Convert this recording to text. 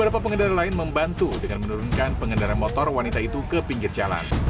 pengendara motor wanita itu ke pinggir jalan